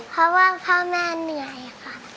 เพราะว่าพ่อแม่เหนื่อยค่ะ